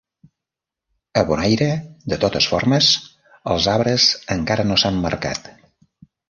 A Bonaire, de totes formes, els arbres encara no s'han marcat.